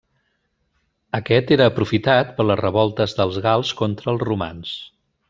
Aquest era aprofitat per les revoltes dels gals contra els romans.